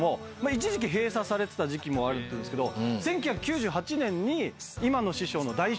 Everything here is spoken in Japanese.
一時閉鎖されてた時期もあるんですけど。